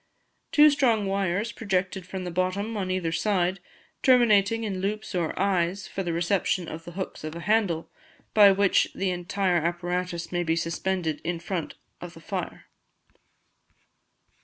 Two strong wires project from the bottom on either side, terminating in loops or eyes for the reception of the hooks of a handle, by which the entire apparatus may be suspended in front of the fire.